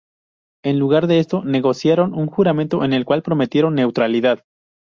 En lugar de esto, negociaron un juramento en el cual prometieron neutralidad.